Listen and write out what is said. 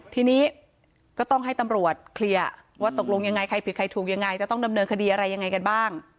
ทีนี้ก็ต้องให้ตำรวจเคลียร์ว่าตกลงยังไงใครผิดใครถูกยังไงจะต้องดำเนินคดีอะไรยังไงกันบ้าง